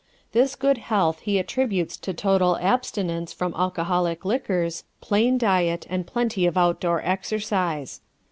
This good health he attributes to total abstinence from alcoholic liquors, plain diet, and plenty of outdoor exercise.